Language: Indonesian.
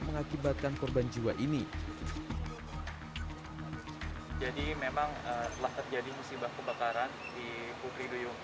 mengakibatkan korban jiwa ini jadi memang telah terjadi musibah kebakaran di putri duyung